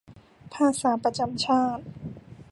ภาษาประจำชาติ